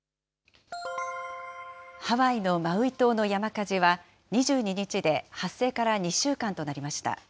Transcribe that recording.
ハワイのマウイ島の山火事は、２２日で発生から２週間となりました。